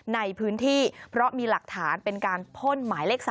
ในพื้นที่เพราะมีหลักฐานเป็นการพ่นหมายเลข๓